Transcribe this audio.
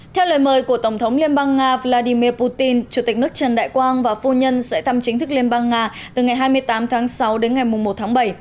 theo lời mời của tổng thống liên bang nga vladimir putin chủ tịch nước trần đại quang và phu nhân sẽ thăm chính thức liên bang nga từ ngày hai mươi tám tháng sáu đến ngày một tháng bảy